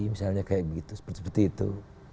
misalnya seperti itu